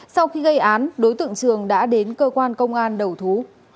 sau khi gây án đối tượng trường đã đến cơ quan công an đầu thú